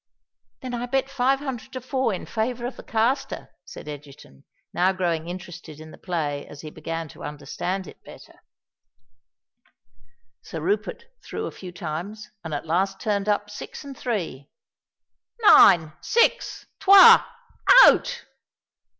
"Then I bet five hundred to four in favour of the caster," said Egerton, now growing interested in the play as he began to understand it better. Sir Rupert threw a few times, and at last turned up six and three. "Nine—six, trois—out!"